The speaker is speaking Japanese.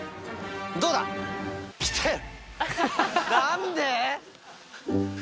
どうだ？来てる。